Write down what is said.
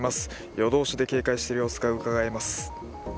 夜通しで警戒している様子がうかがえます。